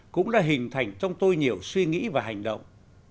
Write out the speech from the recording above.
cũng đã hình thành trong tôi nhiều suy nghĩ và hành động